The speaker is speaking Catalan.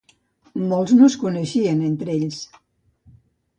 Molts no es coneixen entre ells.